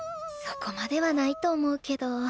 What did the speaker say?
そこまではないと思うけど。